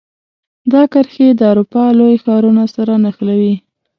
دا کرښې د اروپا لوی ښارونو سره نښلوي.